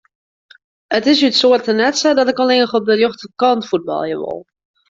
It is út soarte net sa dat ik allinne op de rjochterkant fuotbalje wol.